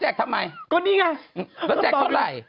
ก็นี่ไง